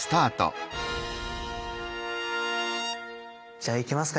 じゃあいきますか！